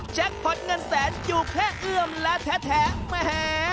แจ็คพอร์ตเงินแสนอยู่แค่เอื้อมและแถ่มหา